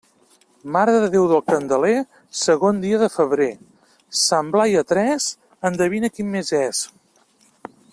Mare de Déu del Candeler, segon dia de febrer; Sant Blai a tres, endevina quin mes és.